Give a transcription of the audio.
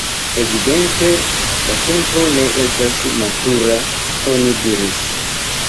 “Evidente la tempo ne estas matura,” oni diris.